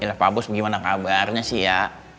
yalah pak bos gimana kabarnya sih ya